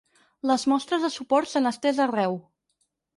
Les mostres de suport s’han estès arreu.